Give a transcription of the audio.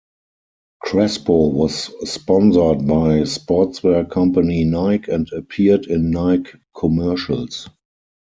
Crespo was sponsored by sportswear company Nike and appeared in Nike commercials.